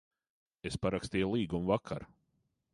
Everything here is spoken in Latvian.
Es parakstīju līgumu vakar.